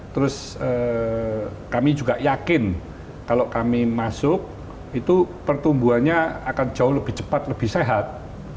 terus kami juga yakin kalau kami masuk itu pertumbuhannya akan jauh lebih cepat lebih sehat